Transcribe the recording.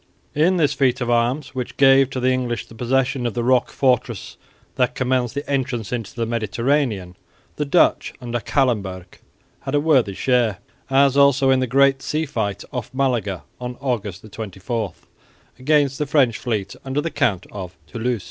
In this feat of arms, which gave to the English the possession of the rock fortress that commands the entrance into the Mediterranean, the Dutch under Callenberg had a worthy share, as also in the great sea fight off Malaga on August 24, against the French fleet under the Count of Toulouse.